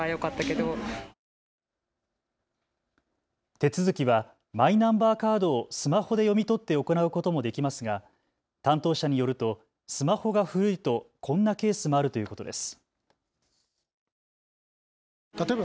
手続きはマイナンバーカードをスマホで読み取って行うこともできますが担当者によるとスマホが古いとこんなケースもあるということです。